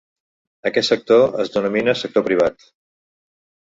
Aquest sector es denomina sector privat.